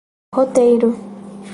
Roteiro